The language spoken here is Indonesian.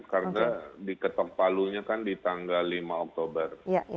karena diketok palunya kan di tanggal lima oktober